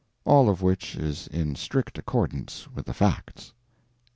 All of which is in strict accordance with the facts.